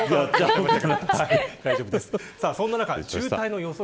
そんな中、渋滞の予測。